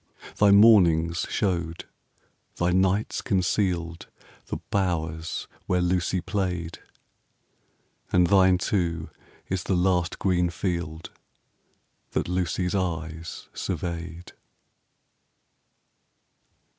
Thy mornings showed, thy nights concealed, The bowers where Lucy played; And thine too is the last green field 15 That Lucy's eyes surveyed.